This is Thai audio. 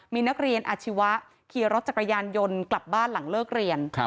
มีนักเรียนอาชีวะขี่รถจักรยานยนต์กลับบ้านหลังเลิกเรียน